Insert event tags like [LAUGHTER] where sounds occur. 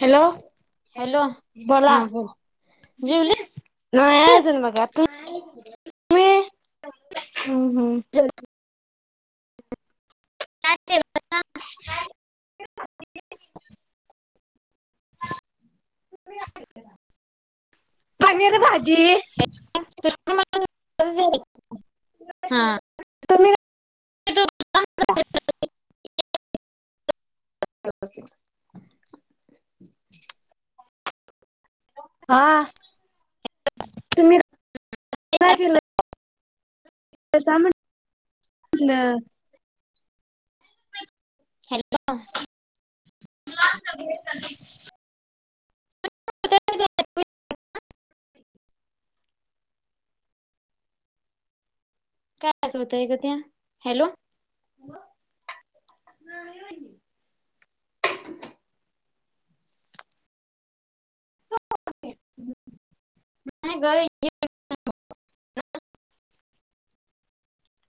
hello hello बोला हा बोल जेवलीस न अजून बाघा त तु ह चल का आ [INAUDIBLE] [INAUDIBLE] पनीर भाजी हा तमिळ ह के हा तुम्ही काय केलं न हॅलो [INAUDIBLE] कायचंवत आहे का त हॅलो घर